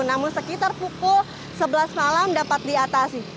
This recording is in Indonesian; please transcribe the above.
namun sekitar pukul sebelas malam dapat diatasi